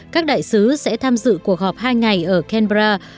các đại sứ sẽ tham dự cuộc họp